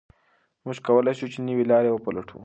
موږ کولای شو نوي لارې وپلټو.